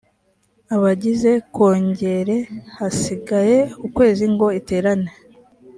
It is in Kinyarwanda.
abagize kongere hasigaye ukwezi ngo iterane